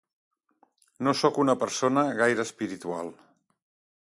No soc una persona gaire espiritual